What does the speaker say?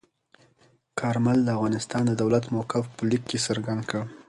کارمل د افغانستان د دولت موقف په لیک کې څرګند کړ.